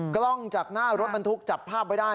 กล้องจากหน้ารถบรรทุกจับภาพไว้ได้